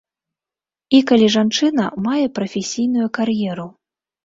І калі жанчына мае прафесійную кар'еру.